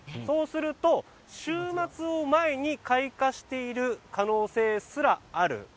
そうすると週末を前に開花している可能性すらある。